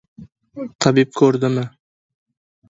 Tabib ko‘rdimi?